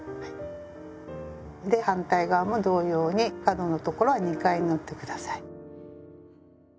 で反対側も同様に角の所は２回縫ってください。